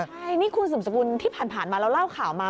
ใช่นี่คุณสุมสกุลที่ผ่านมาเราเล่าข่าวมา